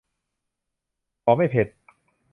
ขอไม่เผ็ด